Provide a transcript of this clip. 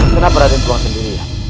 kenapa raim keluar sendiri